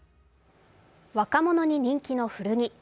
若者に人気の古着。